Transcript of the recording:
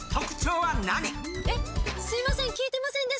えっすいません。